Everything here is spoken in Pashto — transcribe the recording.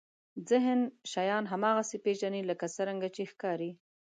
ذهن شیان هماغسې پېژني لکه څرنګه چې ښکاري.